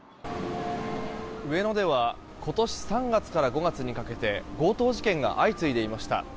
上野では今年３月から５月にかけて強盗事件が相次いでいました。